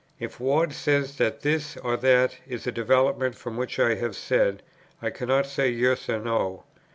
If Ward says that this or that is a development from what I have said, I cannot say Yes or No.